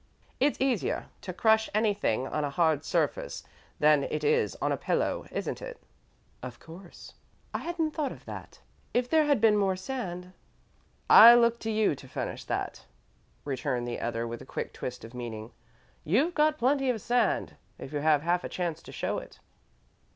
"It's easier, to crush anything on a hard surface than it is on a pillow, isn't it?" "Of course I hadn't thought of that. If there had been more sand " "I look to you to furnish that," returned the other with a quick twist of meaning. "You've got plenty of sand, if you have half a chance to show it."